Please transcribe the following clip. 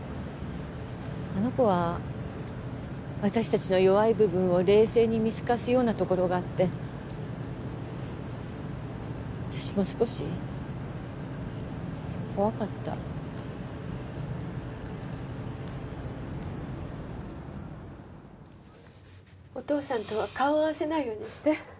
あの子は私達の弱い部分を冷静に見透かすようなところがあって私も少し怖かったお父さんとは顔を合わせないようにして